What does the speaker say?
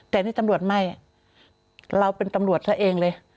แต่นี่ตำรวจไม่เราเป็นตำรวจซะเองเลย